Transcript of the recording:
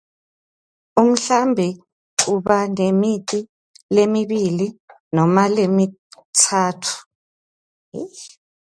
Umhlambi uba nemiti lemibili noma lemitsatfu.